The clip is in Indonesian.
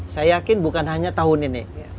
saya yakin bukan hanya tahun ini